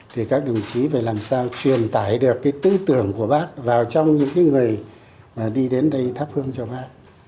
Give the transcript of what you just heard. thì các đồng chí phải làm sao truyền tải được cái tư tưởng của bác vào trong những người đi đến đây thắp hương cho bác